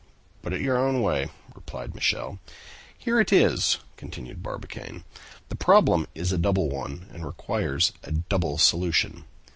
"Put it your own way," replied Michel. "Here it is," continued Barbicane. "The problem is a double one, and requires a double solution.